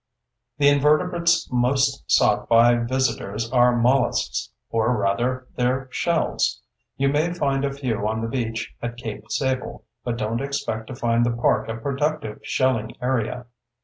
The invertebrates most sought by visitors are molluscs—or rather, their shells. You may find a few on the beach at Cape Sable, but don't expect to find the park a productive shelling area.